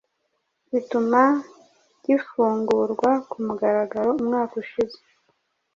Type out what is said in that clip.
bituma gifungurwa ku mugaragaro umwaka ushize.